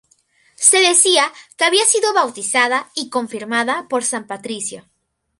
Se decía que había sido bautizada y confirmada por San Patricio.